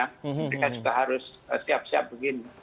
mereka juga harus siap siap begini